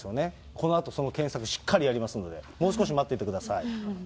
このあとその検索、しっかりやりますんで、もう少し待っていてください。